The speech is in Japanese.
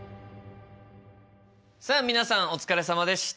さあ皆さんお疲れさまでした。